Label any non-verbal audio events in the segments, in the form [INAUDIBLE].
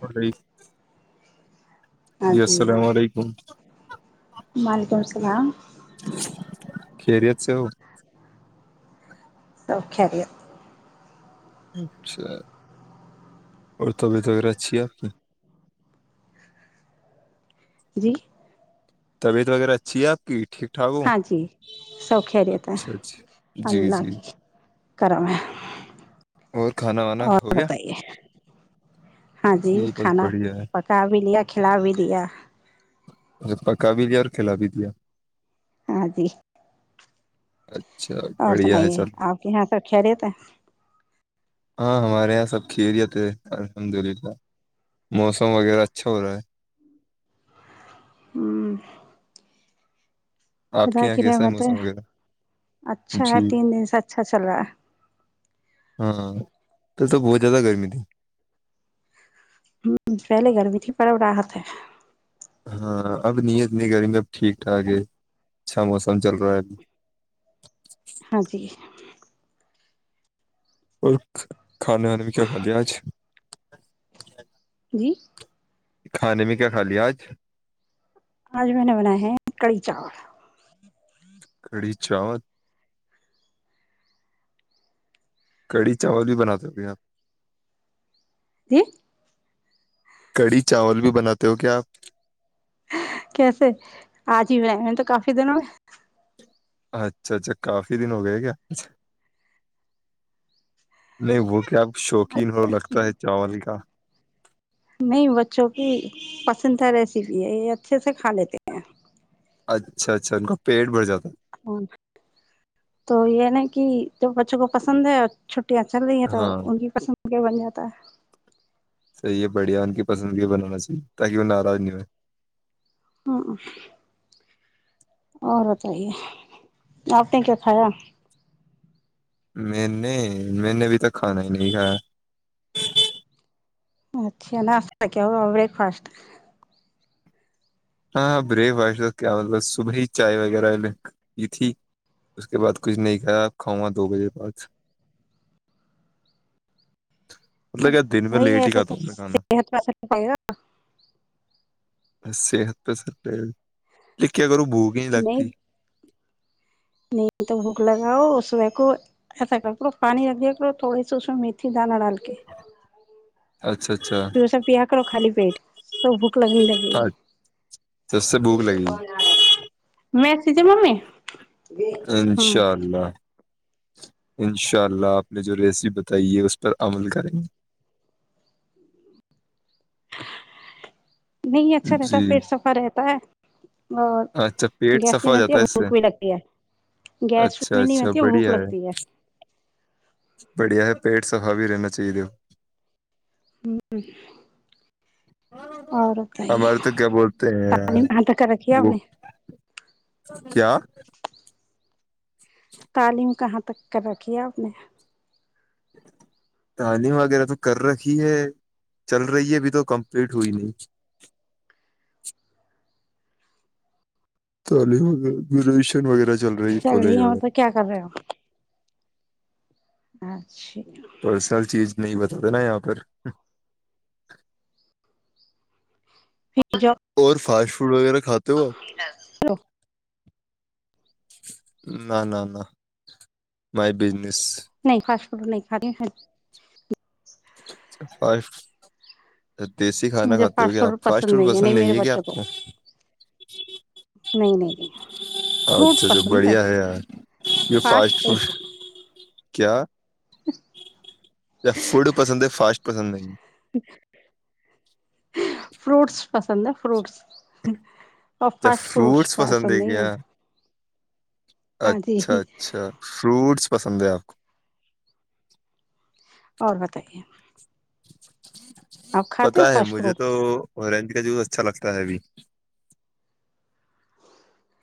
اوری [UNINTELLIGIBLE] جی السلام علیکم وعلیکم السلام چاو [UNINTELLIGIBLE] سب خیریت اچھا اور طبیعت وغیرہ اچھی ہے آپ کی جی طبیعت وغیرہ اچھی ہے آپ کی ٹھیک ٹھاک ہو ہاں جی سب خیریت ہے اچھا اچھا جی اللہ جی کی کرم ہے اور کھانا وانا اور ہو گیا بتائیے ہاں جی بس کھانا بڑھیا ہے پکا بھی لیا کھلا بھی دیا پکا بھی دیا اور کھیلا بھی دیا ہاں جی اچھا [UNINTELLIGIBLE] اور بڑھیا ہے سنائیے چل آپ کے یہاں سب خیریت ہے ہاں ہمارے یہاں سب خیریت ہے الحمد للہ موسم وغیرہ اچھا ہو رہا ہے ہوں آپ خدا کے یہاں کر کیسا رحمت ہے موسم وغیرہ اچھا جی ہے تین دن سے اچھا چل رہا ہے ہاں کل تو بہت زیادہ گرمی تھی ہ پہلے گھرمی تھی پڑڑ رہا تھ ہے [INAUDIBLE] ہاں اب نہیں اتنی گرمی اب ٹھیک ٹھاک ہے اچھا موسم چل رہا ہے اب ہاں جی اور کھانے وانے میں کیا کھتے ہے آج جی [INAUDIBLE] جی [UNINTELLIGIBLE] کھانے میں کیا کھا لیا آج؟ آج میں نے بناائے ہیں کڑھی چاول کڑھی چاول کڑھی چاول بھی بناتے ابھی آپ ج [UNINTELLIGIBLE] کڑھی چاول بھی بناتے ہو کیا آپ؟ کیسے آج ہی ب ہے میں تو کافی دنوں میں اچھا اچھا کافی دن ہو گئے کیا نہیں وہ کیا آپ شوقین ہو لگتا ہے چاول کا نہیں بچوں کی پسندیدہ ریسیپی ہے یہ اچھے سے کھا لیتے ہیں اچھا اچھا ان کا پیٹ بھر جاتا ہے تو یہ نا کہ جو بچوں کو پسند ہے چ ں چل رہی ہیں ہے تو ہاں ان کی پسند کیا بن جاتا ہے صحیح ہے بڑھیا ان کی پسندگیاں بنانا چاہیے تاکہ وہ ناراض نہیں ہوئے ہ اور بت رہی ہے آپ نے کیا کھایا میں نے میں نے ابھی تک کھانا ہی نہیں کھایا اچھا ناشہ کیا ہو بریکفاسٹ ہاں ہاں بریک فاسٹ کیا مطلب صبح ہی چائے وغیرہ کی تھی اس کے بعد کچھ نہیں کھایا آپ کھاؤں گا دو بجے بعد مطلب کیا دن میں وہی لیٹ ہی ایسے کھاتا تو ہوں میں کھانا صحت پر پڑ گا صحت سر لکھیا کرو بھوک ہی لگتی نین تو بھوک لگاؤ اس و کو ایسا کر کرو پانی رکھ دیا کرو تھوڑے سے اس میں میھی دانہ ڈال کے اچھا اچھا خال پیٹ سب لگنے لگے اچھا اس سے بھوک لگے گی گ میںسیج ممی ہوں انشاء اللہ [UNINTELLIGIBLE] انشاء اللہ آپ نے جو ریسیپ بتائی ہے، اس پر عمل کریں [UNINTELLIGIBLE] نہیں گے اچھا رہتا جی پیٹ صفا رہتا ہے اور اچھا پیٹ گیس صفا نہیں ہو بلتی جاتا ہے اس سے بھوک بھی لگتی ہے گیس اچھا بھی نہیں اچھا ہوتی بھوک بڑھیا لگتی ہے بڑھیا ہے پیٹ صفای رہنا چاہیے ہو ہوں [INAUDIBLE] ہمارے تو کیا بولتے ہیں تعلیم کہاں تک کر رکھی ہے آپ وہ نے کیا [INAUDIBLE] تعلیم کہاں تک کر رکھی ہے آپ نے تعلیم وغیرہ تو کر رکھی ہے چل رہی ہے ابھی تو کمپلیٹ ہوئی نہیں تو علیشن وغیرہ ہے چل رہی کالج ہیں م وغیرہ توب کیا کر رہے ہو [UNINTELLIGIBLE] اچھا [INAUDIBLE] پرسنل چیز نہیں بتا دینا یہاں پر [UNINTELLIGIBLE] اور فاش [UNINTELLIGIBLE] وغیرہ [UNINTELLIGIBLE] آپ ہیلو [INAUDIBLE] نہ نہ نہ م بزنی [INAUDIBLE] انس [INAUDIBLE] ر نہیں کارے ہیں [UNINTELLIGIBLE] ف [INAUDIBLE] دیسی کھانا کھاتے ہو کیا آپ فاسٹ فوڈ پسند نہیں ہے کیا آپ کو [UNINTELLIGIBLE] نہیں نہیں نہیں [UNINTELLIGIBLE] فروٹ اچھا اھا پسند بڑھیا ہے یار جو فاسٹ فوڈ [UNINTELLIGIBLE] کیا [INAUDIBLE] فوڈ پسند ہے فاسٹ پسند نہی فروٹس پسند ہے فروٹس جب فروٹس پسند ہے کیا ہاں اچھا جی اچھا فروٹس پسند ہے آپ اور بتائیے آپ [INAUDIBLE] کھاتے پتا ہو ہے فاسٹ مجھے فوڈ تو اور رینند کا جوس اچھا لگتا ہے اب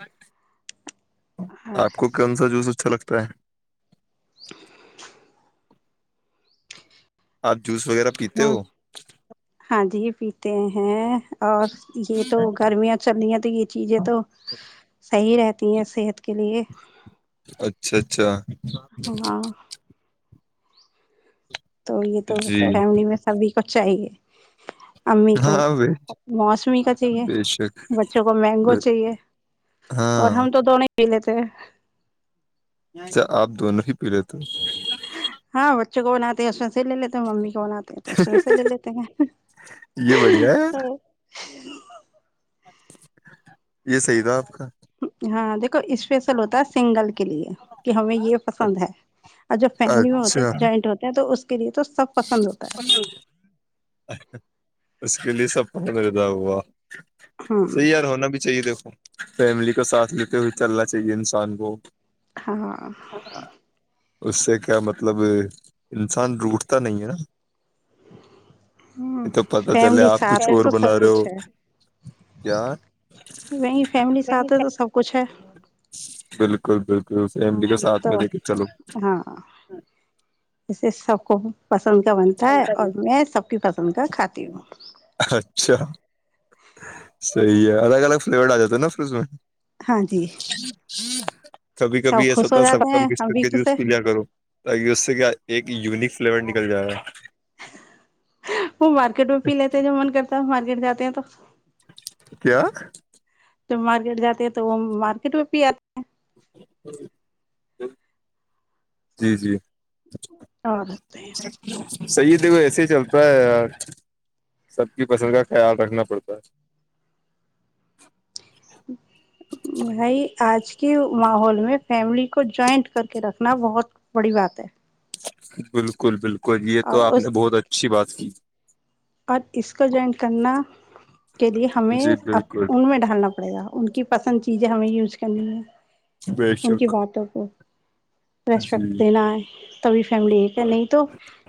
بچ [INAUDIBLE] آپ کو اچھا کون سا جوس اچھا لگتا ت [UNINTELLIGIBLE] اا [UNINTELLIGIBLE] جوس وغیرہ پیتے ہاں ہو ہاں جی پیتے ہیں اور یہ تو گرمیاں چل رہی ہیں تو یہ چیزیں تو صحیح رہتی ہیں صحت کے لیے اچھا اچھا ہاں تو یہ تو جی فیملی میں سبھی کچھ چاہیے امی کو ہاں بے موسمی کا چاہیے بے شک بچوں کو مینگو بے- چاہیے اور ہاں ہم تو دونوں پی لیتے ہیں اچھا آپ دونوں ہی پی لیے تو ہاں بچوں کو بناتے ہیں اس سے لے لیتے ہیں ممی کو بناتے ہیں تو اس میںے سے لے لیتے ہیں ہو یہ بڑھیا ہے تو ج [INAUDIBLE] یہ صحی تھا آپ کا ہاں دیکھو اسپیشل ہوتا ہے سنگل کے لیے کہ ہمیں یہ پسند ہے اور جب فیملی میں ہوتے اچھا ہیں جوائنٹ ہوتے ہیں تو اس کرے تو سب پسند ہوتا ہے بلی سپ اد ہووا [UNINTELLIGIBLE] ہے صحیح ہاں یار ہونا بھی چاہیے دیکھو فیملی کو ساتھ لیتے ہوئے چلنا چاہیے انسان کو ہاں اس سے کیا مطلب انسان روٹ تو نہیں ہے نا ہ یہ تو پتا چلے فیملی آپ کچھ ساتھ ہے اور تو سب بنا رہے ہو کچھ ہے کیا وہیں فیملی ساتھ ہے تو سب کچھ ہے چل بالل بالک ہاں نہیں تو ہاں ایے سب کو پسند کا بنتا ہے اور میں سب کی پسند کا کھاتی ہوں اچھا صحیح ہے الگ الگ فلیور آ جاتا نا فرج میں ہاں جی جی کبھی سب کبھی ایسا خوش ہو ہوتا سب جاتے کا ہیں ہم بسر بھی کے خوش جوس ہیں کلر کرو تاکہ اس سے کیا ایک یونک پ نکل جائے گا وہ مارکیٹ میں پی لیتے جو من کرتا مارکیٹ جاتے ہیں تو کیا تو مارکیٹ جاتے ہے تو وہ مارکیٹ میں پی آتے ہیں ہ جی جی اور صحیح دیکھو ایسے ہی چلتا ہے یار سب کی فصل کا خیال رکھنا پڑتا ہے بھائی آج کے ماحول میں فیملی کو جوائنٹ کر کے رکھنا بہت بڑی بات ہے بالکل بالکل کو یہ تو اور آپ نے اس بہت اچھی بات کی اور اس کا جوائن کرنا کے لیے ہمیں جی بالکل ان میں ڈھالنا پڑے گا ان کی پسند چیزیں ہمیں یوز کرنی ہے بے ان کی شک باتوں کو جی ریسپیکٹ دینا ہے تبھی فیملی ایک ہے نہیں تو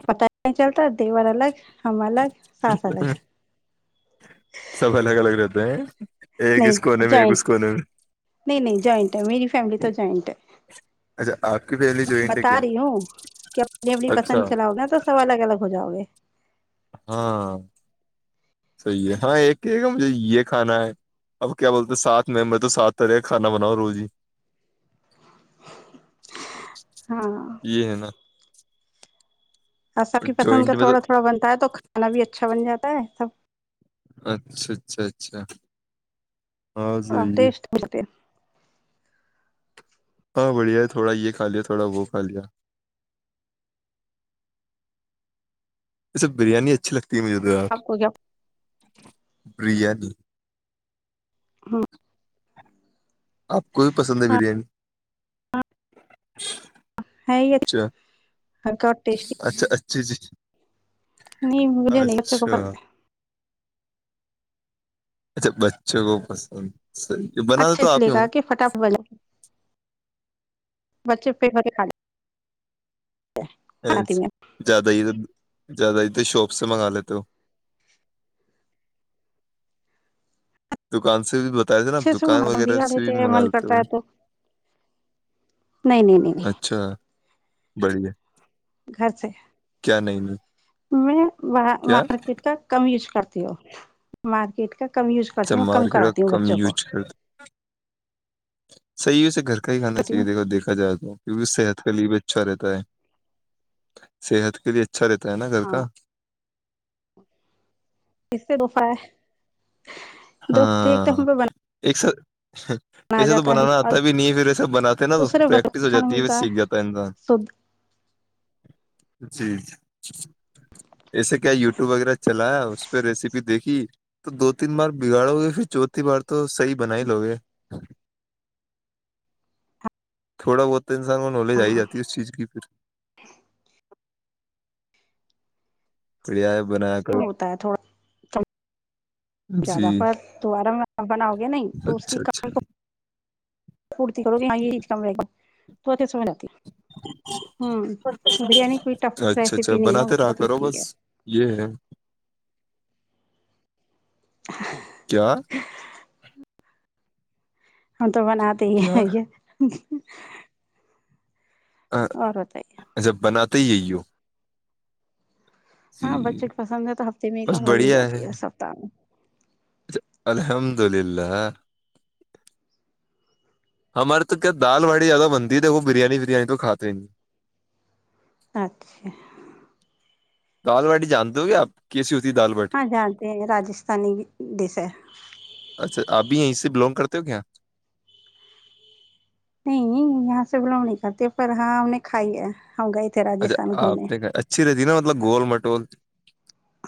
پت نہیں چلتا دیور الگ ہم الگ ہاں سلیش سب الگ الگ رہتے ہیں ایک کس نہیں کونے جوائنٹ میںگس کونے میں نہیں نہیں جوائنٹ ہے میری فیملی تو جوائنٹ ہے اچھا آپ کی فیملی جوائنٹ ہے بتا کیا رہی ہوں کہ اپنی اپنی اچھا پسند چلاؤ گا تو سب الگ الگ ہو جاؤ گے ہاں صحی ہے ہاں ایک کہ مجھے یہ کھانا ہے اب کیا بولتے سات میںمبر تو سات طرح کا کھانا بناؤ روز ہی ہاں یہ ہے نا [UNINTELLIGIBLE] اور سب کی پسند کا جوائنٹ میں تو تھوڑا تھوڑا بنتا ہے تو کھانا بھی اچھا بن جاتا ہے سب اچھا اچھا اچھا ہاں ہ صحیح ہے ٹیٹ متے ہاں بڑھیا ہے تھوڑا یہ کھا لیا تھوڑا وہ کھا لیا یہ سب بریانی اچھی لگتی ہے ت م دو آپ کو کیا بریانی [UNINTELLIGIBLE] آپ کو بھی پسند ہے بریانی ہے یہ اچھا ہلکا اور ٹیسٹی اچھا اچ جی جی نہیں مجھے نہیں اچ کو اچھا پتے اچھا بچوں کو پسند صحیح بنا اچھا تو اس آپ لے ہی ہوں کہا کہ فٹاف بلا بچے فیم کھے ا زیادہ ہی زیادہ ہی شاپ سے منگا لیتے ہو دکان سے بھی بتا رہے تھے نا اچھے آپ سے دکان منا وغیرہ بگا سے رہتے بھی منگا من لیتے کرتا ہو ہے تو نہیں نہیں نہیں نہیں بڑ ہے گھر سے میں کیا مارکیٹ کا کم یوز کر کرتی ہو مارکیٹ کا [UNINTELLIGIBLE] کم یوز کرتی اچھا ہوں کم کراتی ہوں بچوں کو صی ہو سے گھر کئی کانا کرتی چاہیے ہوں دیکو دھا جائےا کی صحت کے لیے بھی اچھا رہتا ہے صحت کے لیے اچ اچھا رہتا ہے نا گھر کا ہاں کس سے دوفہ ہے دو فائدے، ایک ہاں تو ہم پہ ایک س بنایا ایسے تو جاتا ہے بنانا اور آتا بھی نہیں پھر ایسا بناتے نا تو دوسرے بچوں پریکٹس ہو کا کھانا جاتی ہے پھر ملتا سیکھ جاتا ہے انسان شدھ جی ج ایسے کیا یوٹیوب وغیرہ چلا اس پہ ریسیپی دیکھی تو دو تین بار بگاڑو گے پھر چوتھی بار تو صحی بنا ہی لو گے تھوڑا بہت [INAUDIBLE] پڑائے بنایا کرو ہوتا ہے تھوڑا کم جی زیادہ فرد دوبارا بناؤ گے نہیں تو اس کی اچھا کمی اچھا کو پورتی کرو گ ہاں یہ چیز کملے گی تو سوا بریانی کوئی ٹف اچھا اچھا ریسیپی نہیں ہے بناتے رہا بہت کرو ایزی بس ہے یہ ہے کیا ہم تو بناتے کیا ہی [INAUDIBLE] اور بتائیے جب بناات [UNINTELLIGIBLE] ہاں بچوں کو پسند ہے تو ہفتے میں ایک بس بار بنی جاتی ہے سپتااہ میں الحمدللہ ہممرت کیا دال واڑی زیادہ بنتی ت وہ بریانی بریانی تو کھات ہی نہیں اچھا کال واڑی جانتے ہو کیا آپ کیسی ہے دال باٹی ہاں ج ہاں ج راجستھانی دس ہے اچھا آپ بھی یہیں بلونگ کرتے ہو کیا نہیں یہاں سے ب لوم نہیں کھاتے پر ہاں ہم نے کھائی ہے ہم گئے تھے اچھا راجستھان آپ گھومنے نے کہ اچھی رہتی نا مطلب گول مٹول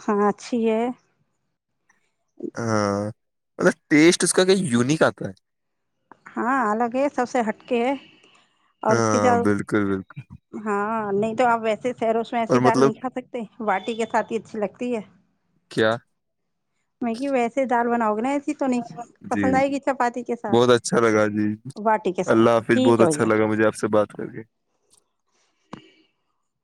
ہاں اچھی ہے ہاں مطلب ٹیسٹ اس کا کہ یونیک آتا ہے ہاں الگ ہے سب سے ہٹکے ہے ہے اور اس کی ہاں ج بالکل بالکل ہاں نہیں تو آپ وسے پیرو اس میں ایسی اور دال نہیں مطلب کا سکتے واٹی کے ساتھ ہی اچھی لگتی ہے کیا میک ویسے دال بناؤ [UNINTELLIGIBLE] تو نہیں جی پسند آئے گی چپاتی کے ساتھ بہت اچھا لگا جی باٹی کے اللہ ساتھ حافظ بہت ٹھیک ہے اچھا بھیا لگا مجھے آپ سے بات کر کے